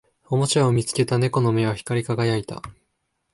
おもちゃを見つけた猫の目は光り輝いた